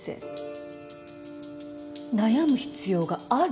悩む必要がある？